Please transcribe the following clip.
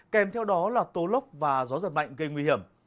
kèm theo đó là tố lốc và gió giật mạnh gây nguy hiểm